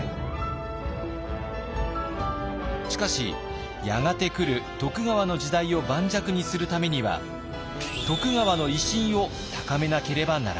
しかしやがて来る徳川の時代を盤石にするためには徳川の威信を高めなければならない。